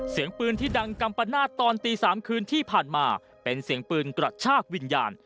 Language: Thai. เสียงปืนที่ดังกัมปนาศตอนตี๓คืนที่ผ่านมาเป็นเสียงปืนกระชากวิญญาณ